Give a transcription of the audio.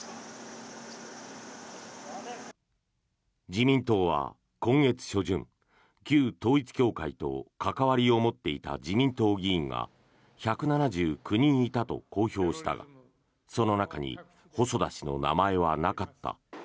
自民党は今月初旬旧統一教会と関わりを持っていた自民党議員が１７９人いたと公表したがその中に細田氏の名前はなかった。